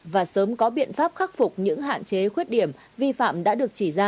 và sớm có biện pháp khắc phục những hạn chế khuyết điểm vi phạm đã được chỉ ra